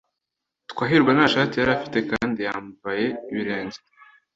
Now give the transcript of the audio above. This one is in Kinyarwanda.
Twahirwa nta shati yari afite kandi yambaye ibirenge.